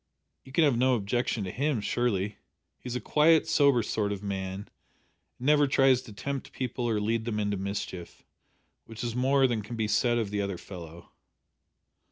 You can have no objection to him surely. He's a quiet, sober sort of man, and never tries to tempt people or lead them into mischief which is more than can be said of the other fellow."